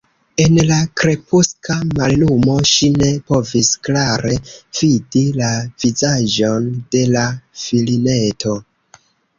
En la krepuska mallumo ŝi ne povis klare vidi la vizaĝon de la filineto.